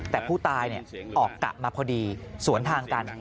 แต่ผู้ตายออกกะมาพอดีสวนทางกัน